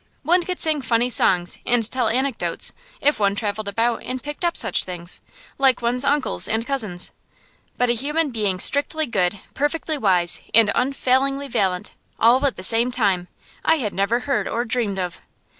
One could sing funny songs and tell anecdotes if one travelled about and picked up such things, like one's uncles and cousins. But a human being strictly good, perfectly wise, and unfailingly valiant, all at the same time, I had never heard or dreamed of.